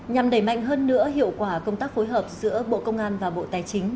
nhằm đẩy mạnh hơn nữa hiệu quả công tác phối hợp giữa bộ công an và bộ tài chính